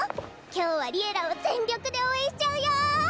今日は「Ｌｉｅｌｌａ！」を全力で応援しちゃうよ！